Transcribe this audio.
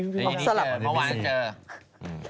พอวานจะเจอ